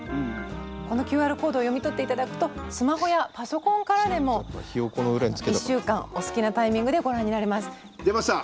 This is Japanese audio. このＱＲコードを読み取って頂くとスマホやパソコンからでも１週間お好きなタイミングでご覧になれます。出ました。